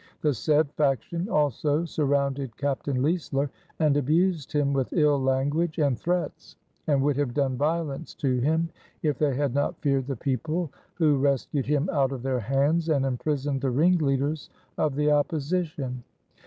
The said faction also surrounded Captain Leisler and abused him with ill language and threats, and would have done violence to him, if they had not feared the people, who rescued him out of their hands, and imprisoned the ringleaders of the opposition.